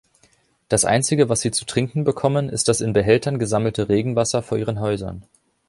Das einzige, was sie zu trinken bekommen, ist das in Behältern gesammelte Regenwasser vor ihren Häusern.